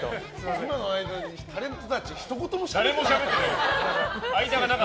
今の間にタレントたちひと言もしゃべってない。